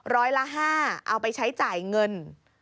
ร้อยละ๕เอาไปใช้จ่ายเงิน